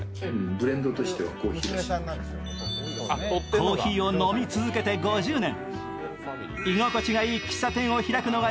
コーヒーを飲み続けて５０年。